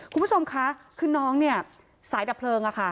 คุณผู้ชมคะคือน้องเนี่ยสายดับเพลิงอะค่ะ